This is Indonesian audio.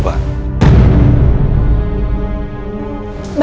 pihaknya kita sudah di rumah